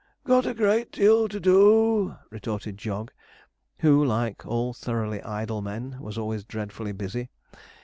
'Got a great deal to do,' retorted Jog, who, like all thoroughly idle men, was always dreadfully busy.